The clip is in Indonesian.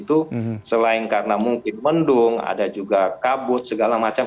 itu selain karena mungkin mendung ada juga kabut segala macam